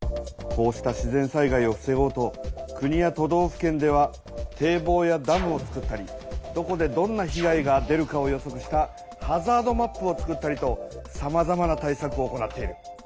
こうした自然災害をふせごうと国や都道府県では堤防やダムをつくったりどこでどんなひ害が出るかを予そくしたハザードマップを作ったりとさまざまな対さくを行っている。